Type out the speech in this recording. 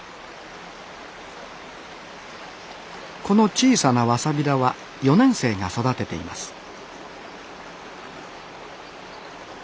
この小さなわさび田は４年生が育てています